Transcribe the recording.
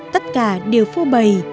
tất cả đều phô bày